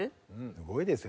すごいですよ。